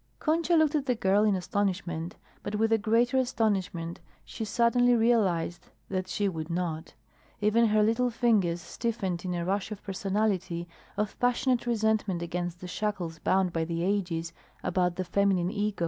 Concha looked at the girl in astonishment, but with a greater astonishment she suddenly realized that she would not. Even her little fingers stiffened in a rush of personality, of passionate resentment against the shackles bound by the ages about the feminine ego.